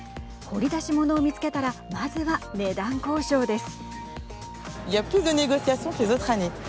掘り出し物を見つけたらまずは、値段交渉です。